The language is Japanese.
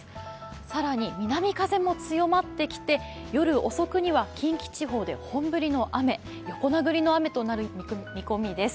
更に南風も強まってきて、夜遅くには近畿地方で本降りの雨、横殴りの雨となる見込みです。